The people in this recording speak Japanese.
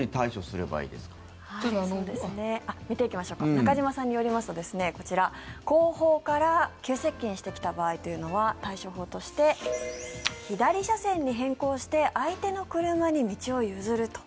中島さんによりますと後方から急接近してきた場合は対処法として左車線に変更して相手の車に道を譲ると。